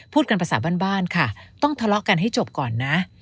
พูดกันภาษาบ้านค่ะต้องทะเลาะกันให้จบก่อนนะ